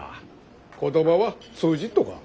言葉は通じっとか？